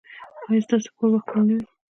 ایا ستاسو کور به خپل نه وي؟